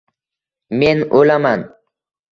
Men o’laman